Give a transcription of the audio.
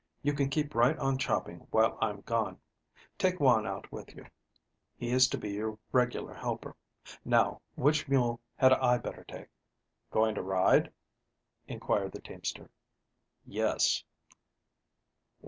You can keep right on chopping while I'm gone. Take Juan out with you. He is to be your regular helper. Now, which mule had I better take?" "Going to ride?" inquired the teamster. "Yes."